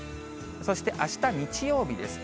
そしてあした日曜日です。